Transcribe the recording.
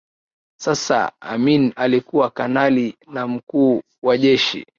Sasa Amin alikuwa kanali na Mkuu waJeshi